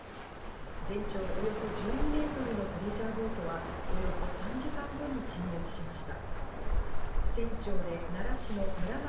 全長およそ１２ｍのプレジャーボートはおよそ３時間後に沈没しました。